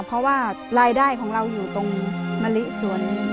เพราะว่ารายได้ของเราอยู่ตรงมะลิสวน